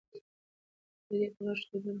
د ده په غږ کې یو ډول خپګان و.